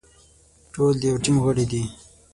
ټول د يوه ټيم غړي دي.